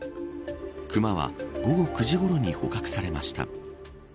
クマは午後９時ごろに捕獲されました。